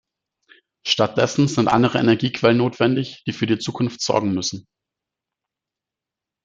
Statt dessen sind andere Energiequellen notwendig, die für die Zukunft sorgen müssen.